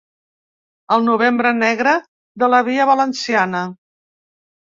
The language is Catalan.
El novembre negre de la “via valenciana”